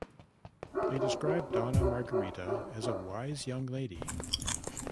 They describe Donna Margarita as a wise young lady.